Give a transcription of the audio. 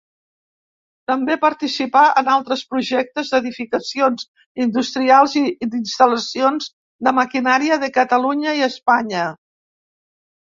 També participà en altres projectes d'edificacions industrials i d'instal·lacions de maquinària de Catalunya i Espanya.